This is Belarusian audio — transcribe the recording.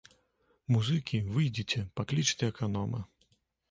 Музыкі, выйдзіце, паклічце аканома!